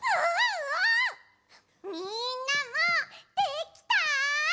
みんなもできた？